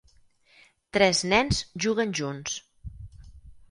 Tres nens juguen junts